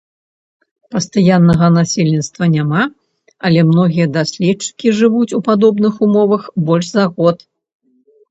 Пастаяннага насельніцтва няма, але многія даследчыкі жывуць у падобных умовах больш за год.